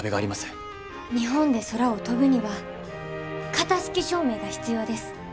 日本で空を飛ぶには型式証明が必要です。